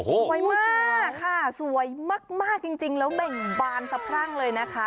สวยมากค่ะสวยมากจริงแล้วเบ่งบานสะพรั่งเลยนะคะ